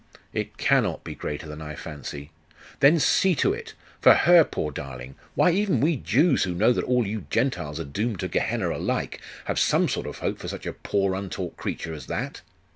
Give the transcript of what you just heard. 'It cannot be greater than I fancy!' 'Then see to it. For her, poor darling! why, even we Jews, who know that all you Gentiles are doomed to Gehenna alike, have some sort of hope for such a poor untaught creature as that.